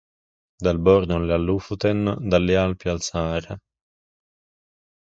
Dal Borneo alle Lofoten, dalle Alpi al Sahara.